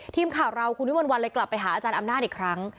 ทีมข่าวเราคุณวิมวลวันเลยกลับไปหาอาจารย์อำนาจอีกครั้ง